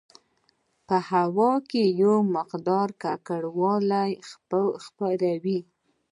په هوا کې یو مقدار ککړوالی خپروي.